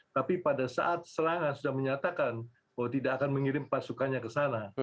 tapi pada saat serangan sudah menyatakan bahwa tidak akan mengirim pasukannya ke sana